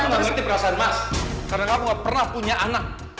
aku nggak ngerti perasaan mas karena kamu gak pernah punya anak